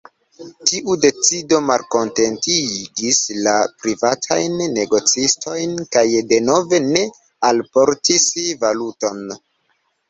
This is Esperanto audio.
Tiu decido malkontentigis la privatajn negocistojn kaj denove ne alportis valuton.